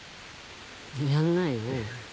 やんないよ。